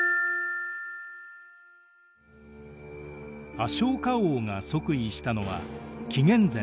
アショーカ王が即位したのは紀元前３世紀。